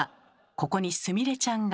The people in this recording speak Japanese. ここにすみれちゃんが。